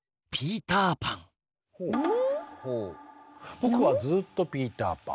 「僕はずーっとピーターパン」。